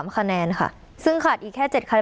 ๔๓คะแนนค่ะซึ่งขาดอีกแค่